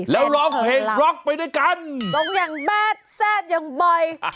แล้วร้องเพลงบล็อกไปด้วยกันตรงอย่างแบดแซ่บอย่างบ่อย